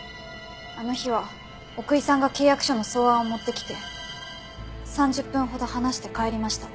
あの日は奥居さんが契約書の草案を持ってきて３０分ほど話して帰りました。